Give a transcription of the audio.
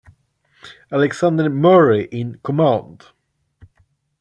Alexander Murray in command.